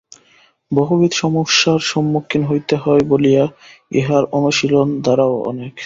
বহুবিধ সমস্যার সম্মুখীন হইতে হয় বলিয়া ইহার অনুশীলন-ধারাও অনেক।